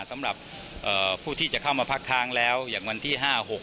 สำหรับผู้ที่จะเข้ามาพักค้างแล้วอย่างวันที่๕๖